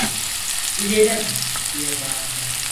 "Gidelim!" diye bağırdı.